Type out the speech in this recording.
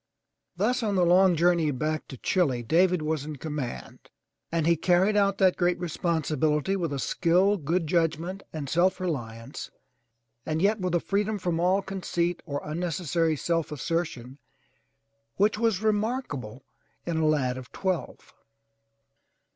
Thus on the long voyage back to Chile, David was in command and he carried out that great re sponsibility with a skill, good judgment and self reliance, and yet with a freedom from all conceit or unnecessary self assertion which was remarkable in a lad of twelve.